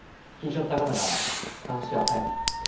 ちょったがなら話は早い。